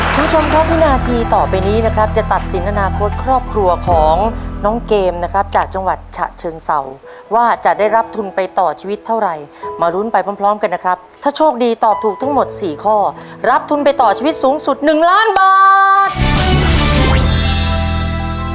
คุณผู้ชมครับวินาทีต่อไปนี้นะครับจะตัดสินอนาคตครอบครัวของน้องเกมนะครับจากจังหวัดฉะเชิงเศร้าว่าจะได้รับทุนไปต่อชีวิตเท่าไหร่มารุ้นไปพร้อมกันนะครับถ้าโชคดีตอบถูกทั้งหมดสี่ข้อรับทุนไปต่อชีวิตสูงสุด๑ล้านบาท